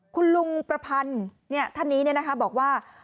คุณลุงประพันธ์เนี่ยท่านนี้เนี่ยนะคะบอกว่า